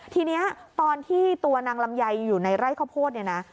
ทีนี้ตอนที่ตัวนางลำไยอยู่ในไร่ข้าวโพดเนี่ยนะ